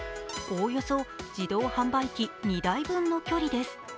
おおよそ自動販売機２台分の距離です。